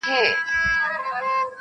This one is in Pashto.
• د پردي شیخ په دعاګانو ژړا نه سمیږو -